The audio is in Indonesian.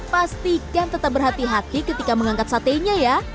pastikan tetap berhati hati ketika mengangkat satenya ya